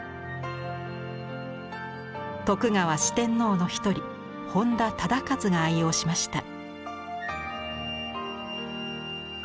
徳川四天王の一人本多忠勝が愛用しました。